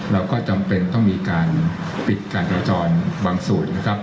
เราก็จำเป็นต้องมีการปิดการจราจรบางส่วนนะครับ